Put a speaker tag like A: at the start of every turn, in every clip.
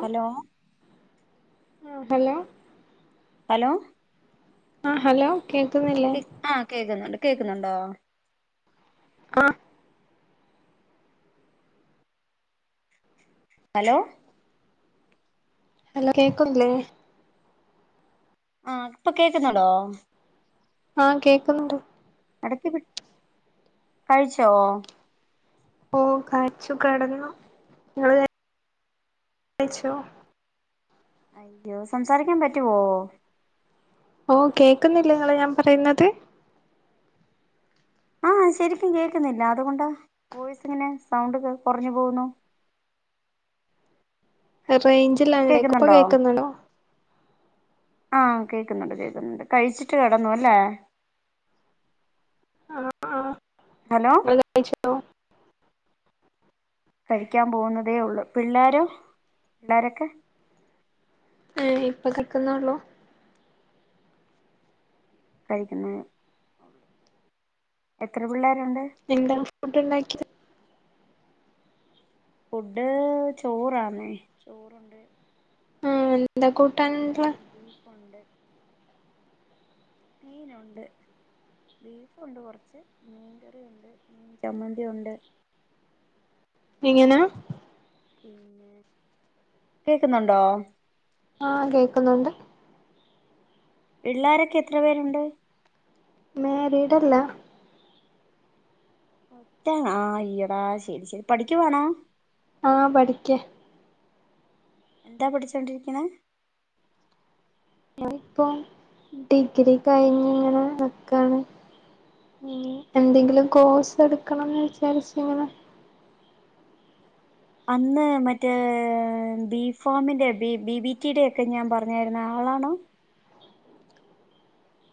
A: Hello
B: ആ hello
A: hello
B: ആ hello കേക്കുന്നില്ലേ
A: ആഹ് കേക്കുന്നുണ്ട് കേക്കുന്നുണ്ടോ?
B: ആഹ
A: ഹലോ
B: ഹലോ കേക്കല്ലേ
A: ആഹ ഇപ്പൊ കേക്കുന്നുണ്ടോ
B: ആഹ കേക്കുന്നുണ്ട്
A: ഇടക്കി വി കഴിച്ചോ
B: ഓ കഴിച് കെടന്നു ങ്ങള് കഴിച്ചോ
A: അയ്യോ സംസാരിക്കാൻ പറ്റുവോ
B: ഓ കേൾക്കുന്നില്ല നിങ്ങളെ ഞാൻ പറയുന്നത്
A: ആഹ ശരിക്കും കേൾക്കുന്നില്ല അതുകൊണ്ടാ വോയിസ് ഇങ്ങനെ സൗണ്ടൊക്കെ കുറഞ്ഞു പോകുന്നു [unintelligible]
B: റേഞ്ചില്ലാണ്ടേക്കും ഇപ്പൊ കേൾക്കുന്നുണ്ടോ
A: ആഹ കേക്കുന്നുണ്ട് കേൾക്കുന്നുണ്ട് കഴിച്ചിട്ട് കിടന്നു അല്ലേ
B: ആഹ [unintelligible]
A: ഹലോ
B: കഴിച്ചോ
A: കഴിക്കാൻ പോകുന്നതേ ഉള്ളു പിള്ളോരോ പിള്ളാരൊക്കെ
B: ഏ ഇപ്പൊ കേക്കുന്നാണ്ടൊ
A: കഴിക്ക എത്ര പിള്ളേർ
B: എന്താ ഫുഡ് ഉണ്ടാക്കി
A: ഫുഡ് ചോറാന്നേ ചോറുണ്ട്
B: ആ എന്താ കൂട്ടാനുള്ളെ
A: നെയ് ബീഫുണ്ട് മീൻ ഉണ്ട് ബീഫുണ്ട് കുറച്ച് മീൻകറിയുണ്ട് മീൻ ചമ്മന്തി ഉണ്ട് [unintelligible]
B: എങ്ങനാ
A: പിന്നെ കേക്കുന്നുണ്ടോ
B: ആഹ കേക്കുന്നുണ്ട്
A: പിള്ളോരൊക്കെ എത്ര പേരുണ്ട്
B: മാരീഡല്ല
A: ഒറ്റാണ് ആ ഈടാ ശരി ശരി പഠിക്കുവാണോ
B: ആഹ പഠിക്കേ
A: എന്താ പഠിച്ചോണ്ടിരിക്ക്‌ണെ
B: ഞാനിപ്പോ ഡിഗ്രി കഴിഞ് ഇങ്ങനെ നക്കാണ് എന്തെങ്കിലും കോഴ്സ് എടുക്കണംന്ന് വിചാരിച്ച ഇങ്ങനെ
A: അന്ന് മറ്റേ ബി ഫാമിന്റെ ബി ബി ബറ്റിയുടെ ഒക്കെ ഞാൻ പറഞ്ഞായിുന്ന ളണോ?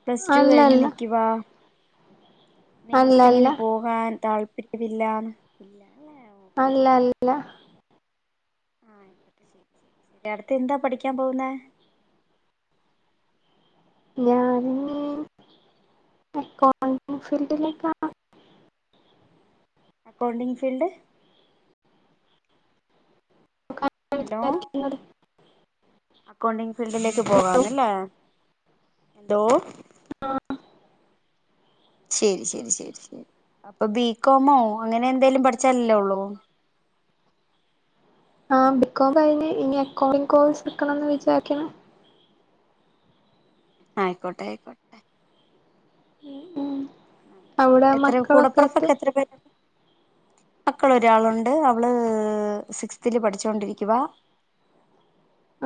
A: പ്ലസ് ടു കഴിഞ്ഞ്
B: അല്ലല്ല
A: നിക്കുവാ
B: അല്ലല്ല
A: നേഴ്സിങ്ങിന് പോകാൻ താല്പര്യമില്ല
B: അല്ല ല്ല
A: എ അയിക്കോട്ടെ ശെരി ശെരി അടുത്തെന്താ പഠിക്കാൻ പോവുന്നെ
B: ഞാനിനി അക്കൗണ്ടിംഗ് ഫീൽഡിലേക്കാ
A: അക്കൗണ്ടിംഗ് ഫീൽഡ്
B: സംസാരിക്കുന്നത് [inaudible]
A: ക്കൗണ്ടിംഗ് ഫീൽഡിലേക്ക് പോകന്ല്ലേ ന്തോ ശരി ശരി ശരി ശരി അപ്പൊ ബികോമോ അങ്ങനെന്തേലും പഠിച്ചാല്ലോള്ളൂ?
B: ആ ബിക്കോം കയിഞ്ഞ് ഇനി അക്കൗണ്ടിഗ് കൊഴ്സ്ട്കണെന്ന് വിചാരിക്കണ്
A: ആ യിക്കോട്ടാ യിക്കോട്ടെ
B: ഉം അവിടെ
A: എത്ര
B: മക്കളൊക്കെത്ത്
A: കൂടപ്പുറപ്പൊക്കെ എത്ര പേര് മക്കളൊരാളുണ്ട് അവള് സിക്സ്ത്തില് പഠിച്ചോണ്ടിരിക്കുവാ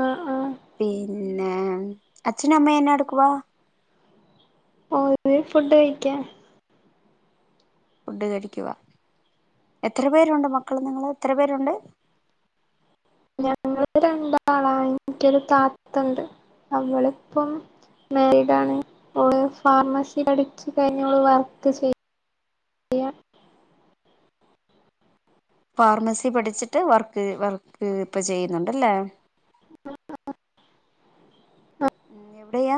B: ആഹ് ആഹ്
A: പിന്നെ മ് അച്ഛനും അമ്മേം എന്നാ എടുക്കുവാ
B: ഓല് ഫുഡഴിക്കാ
A: ഫുഡ് കഴിക്കുവാ എത്ര പേരുണ്ട് മക്കള് നിങ്ങള് എത്ര പേരുണ്ട്?
B: ഞങ്ങള് രണ്ടാളാ നിക്കൊരു താത്തണ്ട് അവളിപ്പോ മാരീഡാണ് ഓള് ഫാർമസി പഠിച്ചു കഴിഞ് ഓള് വർക്ക് ചെയ്
A: ഫാർമസി പഠിച്ചിട്ട് വർക്ക് വർക്ക് പ്പൊ ചെയ്യുന്നുണ്ടല്ലേ [unintelligible] ഉം എവിടെയാ?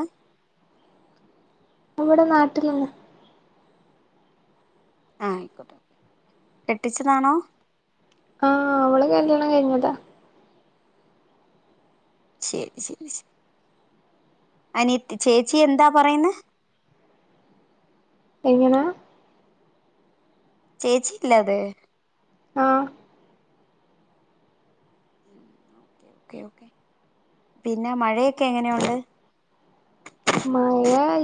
B: വ്ടെ നാട്ടിലെന്നെ
A: ആ കെട്ടിച്ചതാണോ?
B: ആഹ അവള് കല്ലിയാണകഴിഞ്ഞതാ
A: ശരി ശരി ശരി അനിയത്തി ചേച്ചിയെന്താ പറയുണെ
B: ങ്ങനെ
A: ചേച്ചി ഇല്ലാതെ?
B: ആ
A: ക്കെ ഓക്കെ പിന്നെ മഴയൊക്കെ ങ്ങെനെയുണ്ട്?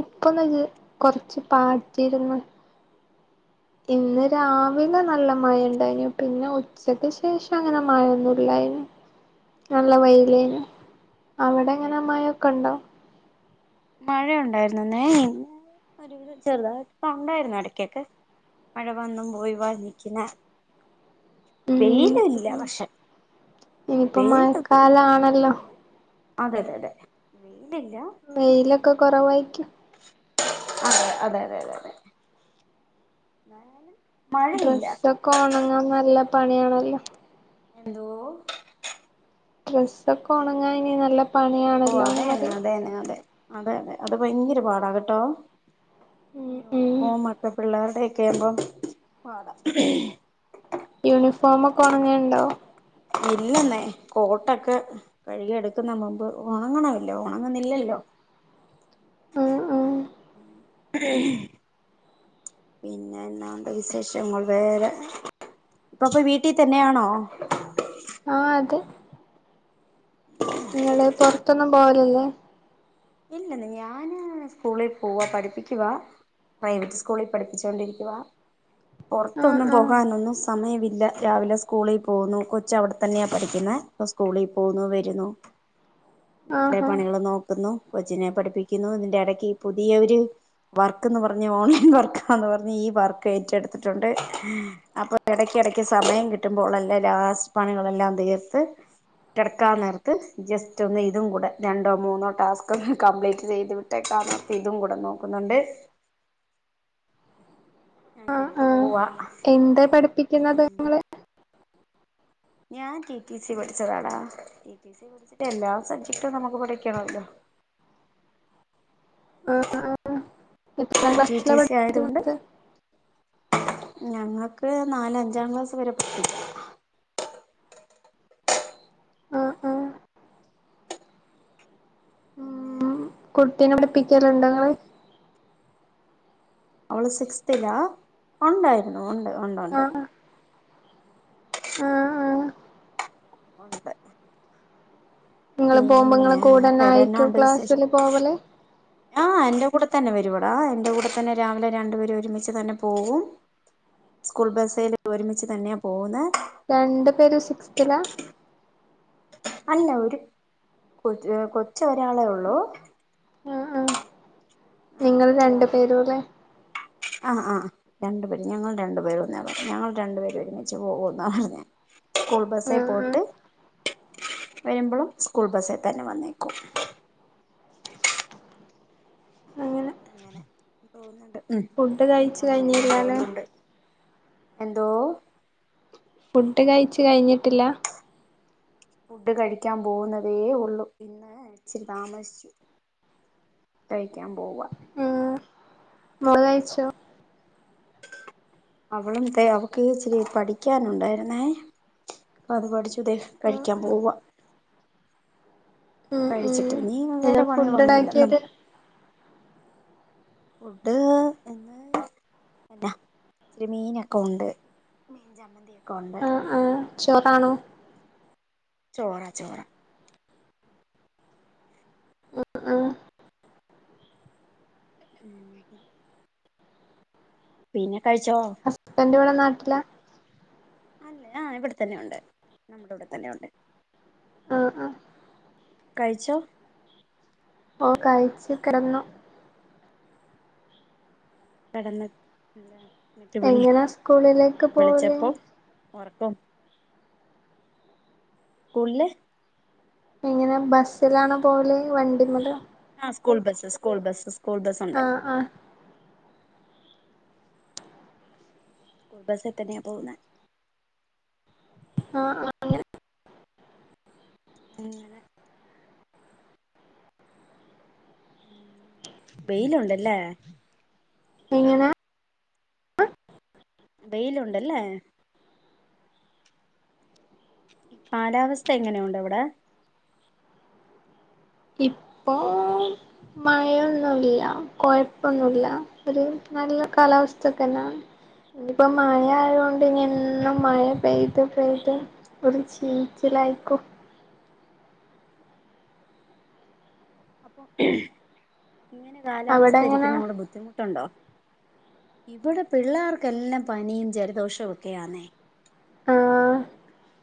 B: പ്പൊന്ന് ത് കൊറച്ച് പാറ്റിരുന്നു ഇന്ന്
A: ഓ ഓ
B: രാവില നല്ല മഴയുണ്ടായിനു പിന്നെ ഉച്ചക്ക് ശേഷം ങ്ങനെ മഴൊന്നുല്ലാര്ന്നു നല്ല
A: ഉം ഉം
B: വൈയിലേന് അവിടെങ്ങനെ മയൊക്കെ ണ്ടോ?
A: മഴയുണ്ടായിരുന്നുന്നേ ഇന്ന് ഒരുവിധം ചെറുതായിട്ട്പ്പാണ്ടായിരുന്ന് ഇടക്കൊക്കെ മഴ വന്നും പോയി വഞ്ഞിക്കുന്ന വെയിലില്ല പക്ഷേ
B: ഇനിപ്പോ മഴക്കാലാണല്ലോ
A: അതെതെതെ ഈ
B: വെയിലൊക്കെ കൊറവാര്ക്കും
A: അതെ തെ അതെ അതെ അതെ അതെ മായയ
B: ഡ്രെസ്സക്കൊണങ്ങാ നല്ല പണിയണല്ലോ
A: എന്തോ
B: ഡ്രസ്സൊക്കൊണങ്ങാ നി നല്ല
A: അയ്യോ
B: പണിയാണല്ലോന്ന്
A: അതെന്നെ
B: പറയ
A: അതെന്നെ അതെ അതെ അതെ അത് ഭയങ്കര പാടാകെട്ടോ
B: ഉം ഉം
A: യൂണിഫോമൊക്കെ പിള്ളേരുടെെ കേൾബോമ് പാട ഇ ഈ
B: യൂണിഫോമൊക്കെ ഒണങ്ങേണ്ടോ
A: ഇല്ലെന്നേ കോട്ടൊക്കെ കഴുകിയെടുക്കുന്ന മദ്ധോ ഒ ണങ്ങണല്ല ഉണങ്ങുന്നില്ലല്ലോ [unintelligible]
B: ഉം ഉം
A: [inaudible] പിന്നെന്ത വിശേഷങ്ങൾ വേറെ ഇപ്പൊപ്പൊ വീട്ടിൽ തന്നെയാണോ
B: ആഹ അതെ നിങ്ങള് പൊറത്തൊന്നും പോവലല്ലേ
A: ഇല്ല ഞാന് സ്കൂളിൽ പോവാ പഠിപ്പിക്കുവാ പ്രൈവറ്റ് സ്കൂളിൽ പഠിപ്പിച്ചോണ്ടിരിക്കുവ
B: ആഹ്
A: പൊറത്തൊന്നും
B: ആഹ്
A: പോകാനൊന്നും സമയ ഇല്ല രാവിലെ സ്കൂളിൽ പോകുന്നു കൊച്ച അവിടെത്തന്നെയാ പഠിക്കുന്നത് അപ്പോ സ്കൂളിൽ പോവുന്നു വരുന്നു വീട്ടിലെ
B: ആഹാ
A: പണികൾ നോക്കുന്നു കൊച്ചിനെ പഠിപ്പിക്കുന്നു ഇതിന്റെ ഇടയ്ക്ക് പുതിയ ഒരു വർക്ക്ന്ന് പറഞ്ഞഞ് ഓൺലയിൻ വർക്കാന്ന് പറഞ്ഞ് ഈ വർക്ക് ഏറ്റെടുത്തിട്ടുണ്ട് അപ്പൊ ഇടക്ക്‌ കിടക്ക് സമയം കിട്ടുമ്പോൾല്ലാം ലാസ്റ്റ് പണികളെല്ലാം തീർത്ത് കിടക്കാ നേരത്ത് ജസ്റ്റ് ഒന്ന് ഇതും കൂടെ രണ്ടോ മൂന്നോ ടാസ്ക് കംപ്ലീറ്റ് ചെയ്ത് വിട്ടേക്ക ഇതും കൂടെ നോക്കുന്നുണ്ട് അങ്ങനെ
B: ആഹ്
A: അന്ന്
B: ആഹ്
A: പോവാ
B: എന്താ പഠിപ്പിക്കുന്നത്
A: ഉം
B: നിങ്ങള്
A: ഞാൻ ടി ടി സി പഠിച്ചതാടാ ടി ടി സി പഠിച്ചിട്ട് എല്ലാ സബ്ജക്ടും നമുക്ക് പഠിക്കണല്ലോ
B: ആഹ് എത്രാം
A: ടി
B: ക്ലാസ്സിലാ
A: ടി സി ആയതൊണ്ട്
B: പഠിപ്പിക്കുന്നത്
A: ഞങ്ങക്ക് നാല് അഞ്ചാം ക്ലാസ് വരെ പ
B: ആഹ് ആഹ്
A: പിന്നെ
B: ഉം കുട്ടീനെ പഠിപ്പിക്കലുണ്ടോങ്ങള്
A: അവള് സിക്സ്‌ത്തിലാ ഉണ്ടായിരുന്നു ഉണ്ട് ഉണ്ട് ഉണ്ട്
B: ആഹ് ആഹ് ആഹ്
A: ഉണ്ട്
B: നിങ്ങള് പോകുമ്പോ നിങ്ങളെ
A: പിന്നെ
B: കൂടെന്നെ ആയിക്കും
A: വേറെന്നാണ്ട് വിശേഷം
B: ക്ലാസ്സില് പോ വല്
A: ആഹ് എന്റെ കൂടെ തന്നെ വരുവടാ എന്റെ കൂടെ തന്നെ രാവിലെ രണ്ടുപേരും ഒരുമിച്ച് തന്നെ പോവും സ്കൂൾ ബസ്സൽ ഒരുമിച്ച് തന്നെയാ പോകുന്ന
B: രണ്ടു പേരും സിക്സ്ത്തിലാ
A: അല്ല ഒരു കൊ കൊച്ച ഒരാളെ ഉള്ളൂ
B: ആ ആ
A: ആഹ്
B: നിങ്ങൾ
A: അവള്
B: രണ്ടു
A: ഒരാളെ
B: പേരും
A: ഉള്ളൂ
B: അല്ലെ
A: ആഹ് ആഹ് രണ്ടുപേര ഞങ്ങൾ രണ്ടുപേര ഒന്ന ഞങ്ങൾ രണ്ടുപേര് ഒരുമിച്ച് പോകുന്നാണ് ഞാൻ സ്കൂൾ ബസ്സേ
B: ആഹ് ആഹ്
A: പോട്ട് വരുമ്പോഴും സ്കൂൾ ബസ്സേൽ തന്നെ വന്നേക്കും അങ്ങനെ പോകുന്നുണ്ട്
B: ഫുഡ് കഴിച്ച്
A: അങ്ങനെയെ
B: കഴിഞ്ഞില്ലാല്ലേ
A: പോവുന്നുണ്ട് എന്തോ
B: ഫുഡ് കഴിച്ചു കഴിഞ്ഞിട്ടില്ല
A: ഫുഡ് കഴിക്കാൻ പോകുന്നതേ ഉള്ളൂ ഇന്ന് ഇച്ചിരി താമസിച്ചു കഴിക്കാൻ പോവാ
B: ഉം മോള് കയിച്ചോ
A: അവളും ത അവക്ക് ഇച്ചിരി പഠിക്കാനുണ്ടായിരുന്നേ അപ്പ അത് പഠിച്ചുത കഴിക്കാൻ പോവാ
B: ഉം ഉം
A: കഴിച്ചിട്ട് നീ
B: എന്താ
A: വേറെ
B: ഫുഡ്
A: പണികളൊന്നുല്ല
B: ഉണ്ടാക്കിയത്
A: നമുക്ക് ഫുഡ് ഇന്ന് അല്ല ഇന്ന് മീനൊക്കെ ഉണ്ട് മീൻ ചമ്മന്തി ഒക്കെ ഉണ്ട്
B: ആഹ് ആഹ് ചോറാണോ
A: ചോറ ചോറ
B: ഉം
A: ഉം പിന്നെ കഴിച്ചോ
B: [unintelligible] എവിടെ നാട്ടിലാ
A: അല്ലെ ആ ഇവിടെ തന്നെ ഉണ്ട് നമ്മുടെ ഇവിടെ തന്നെ ഉണ്ട്
B: ആഹ ആഹ
A: കഴിച്ചോ?
B: കഴിച്ചു, കിടന്നു
A: കിടന്നു
B: എങ്ങനാ സ്കൂളിലേക്ക് പോകല്?
A: ഉറക്കും സ്കൂളില്
B: എങ്ങനെ ബസ്സിലാണോ പോലെ വണ്ടിമലോ
A: ആ school bus school bus school bus ഉണ്ട്
B: ആഹ് ആഹ്
A: സ്കൂൾ ബസിൽ തന്നെയാ പോകുന്നെ
B: ആഹ ആ അങ്ങനെ
A: [unintelligible] ഉ വെയിലുണ്ടല്ലേ?
B: എങ്ങനെ?
A: വെയിലുണ്ടല്ലേ? കാലാവസ്ഥ എങ്ങനെയുണ്ട് അവിടെ?
B: ഇപ്പോ മഴയൊന്നുല്ല കുഴപ്പൊന്നുല്ല ഒരു നല്ല കാലാവസ്ഥതന്നാണ് ഇനിപ്പോ മഴ ആയുകൊണ്ട് ഇനി എന്നും മഴ പെയ്ത് പെയ്ത് ഒരു ചീച്ചിട് ലൈക്കു
A: അപ്പൊ [unintelligible] ഇങ്ങനെ
B: അവിടെ
A: കാലാവസ്ഥ
B: എങ്ങനെ
A: ഇരിക്കുന്നൊണ്ട് ബുദ്ധിമുട്ടുണ്ടോ [unintelligible] ഇവിടെ പിള്ളേർക്കെല്ലാം പനിയും ജലദോഷവും ഒക്കെയാന്നെ
B: ആഹ്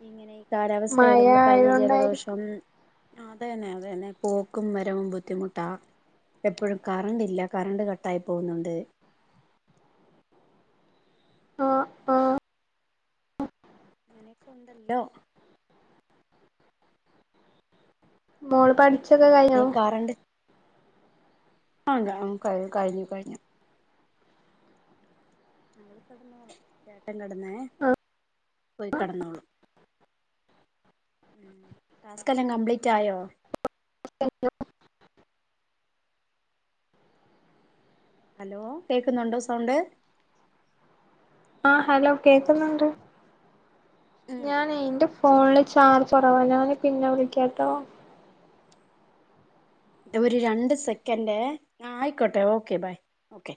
A: ഇങ്ങനെ ഈ കാലാവസ്ഥ
B: മഴ
A: ആയതുകൊണ്ട് പനി ജലദോഷം
B: ആയോണ്ടായിരിക്കും
A: അതെ തന്നെ അത തന്നെ പോക്കും വ റ്റവും ബുദ്ധിമുട്ടാ എപ്പോഴും കറണ്ട് ഇല്ല കറണ്ട് കട്ടായി പോകുന്നുണ്ട്
B: ആ ആഹ
A: അങ്ങനെയൊക്കെ ഉണ്ടല്ലോ
B: മോള് പാടിക്ക?
A: ദെ കാറണ്ട് ആ ഗ കയ് കഴിഞ്ഞു കഴിഞ്ഞു നള് കിടന്നോളാം ചേട്ടൻ കിടന്നേ പോയി കെടന്നോളും ഉം ടാസ്ക് എല്ലാം കംപ്ലീറ്റ് ആയോ ഹലോ കേക്കുന്നുണ്ടോ സൗണ്ട്?
B: ആഹ ഹലോ കേക്കുന്നുണ്ട്
A: ഉം
B: ഞാനേ
A: കേക്കുന്നുണ്ട്
B: ന്റെ
A: ഓക്കെ
B: ഫോണില്
A: ഓക്കെ
B: ചാർജ്
A: ബൈ
B: കുറവാ പിന്നെ വിളിക്കാട്ടോ
A: ഒരു രണ്ട് സെക്കന്റെ ആയിക്കോട്ടെ ഓക്കെ ബൈ ഓക്കെ